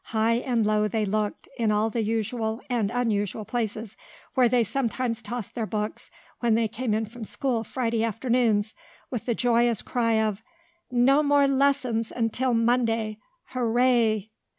High and low they looked, in all the usual, and unusual, places, where they sometimes tossed their books when they came in from school Friday afternoons, with the joyous cry of: "No more lessons until Monday! Hurray!"